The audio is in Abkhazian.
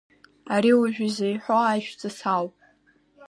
Ари уажә изаиҳәо ажәҵыс ауп.